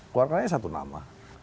keluarkan aja satu nama